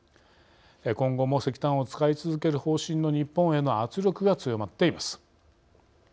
今後も石炭を使い続ける方針の日本への圧力が強まっています。